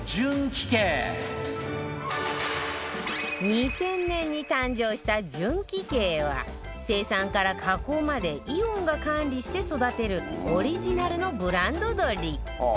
２０００年に誕生した純輝鶏は生産から加工までイオンが管理して育てるオリジナルのブランド鶏